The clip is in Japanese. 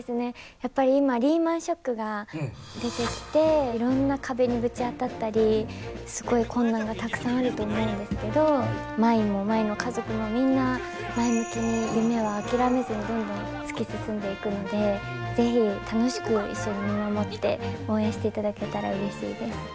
やっぱり今リーマンショックが出てきていろんな壁にぶち当たったりすごい困難がたくさんあると思うんですけど舞も舞の家族もみんな前向きに夢を諦めずにどんどん突き進んでいくので是非楽しく一緒に見守って応援していただけたらうれしいです。